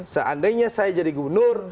seandainya saya jadi gubernur